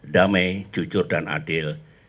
damai jujur dan adil